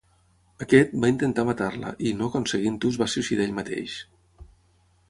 Aquest, va intentar matar-la, i no aconseguint-ho es va suïcidar ell mateix.